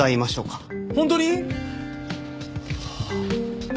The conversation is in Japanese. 本当に？